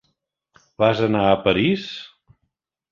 Vas anar a París?